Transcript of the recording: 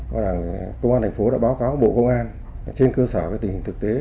và đảng công an thành phố đã báo cáo bộ công an trên cơ sở với tình hình thực tế